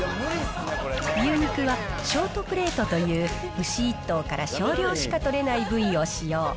牛肉はショートプレートという牛１頭から少量しか取れない部位を使用。